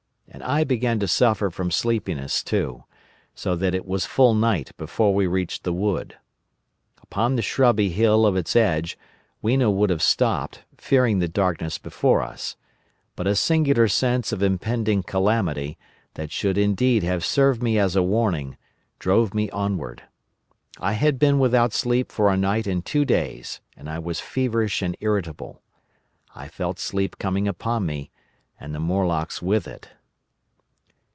And I, also, began to suffer from sleepiness too; so that it was full night before we reached the wood. Upon the shrubby hill of its edge Weena would have stopped, fearing the darkness before us; but a singular sense of impending calamity, that should indeed have served me as a warning, drove me onward. I had been without sleep for a night and two days, and I was feverish and irritable. I felt sleep coming upon me, and the Morlocks with it.